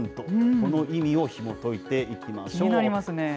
この意味をひもといていきましょ気になりますね。